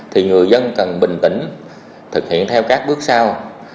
thì người dân cần bình tĩnh thực hiện theo các bước sau